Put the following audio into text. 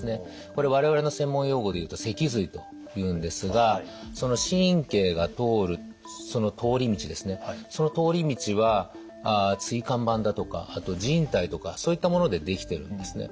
これ我々の専門用語で言うと脊髄というんですがその神経が通る通り道は椎間板だとかあと靭帯とかそういったもので出来てるんですね。